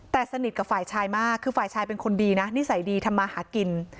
แต่สนิทกับฝ่ายชายมากคือฝ่ายชายเป็นคนดีนะนิสัยดีทำมาหากิน